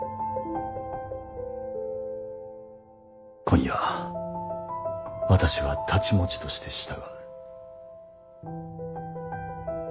今夜私は太刀持ちとして従う。